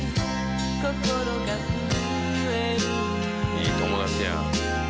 いい友達や。